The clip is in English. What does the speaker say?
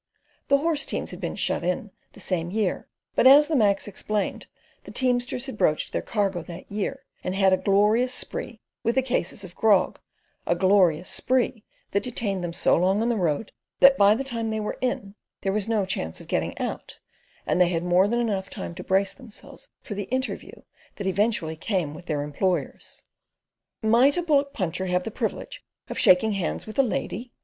The horse teams had been "shut in" the same year, but as the Macs explained, the teamsters had broached their cargo that year, and had a "glorious spree" with the cases of grog—a "glorious spree" that detained them so long on the road that by the time they were in there was no chance of getting out, and they had more than enough time to brace themselves for the interview that eventually came with their employers. "Might a bullock puncher have the privilege of shaking hands with a lady?"